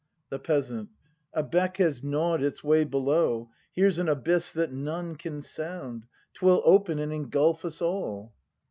The Peasant. A beck has gnawed its way below; Here's an abyss that none can sound; 'Twill open and engulf us all!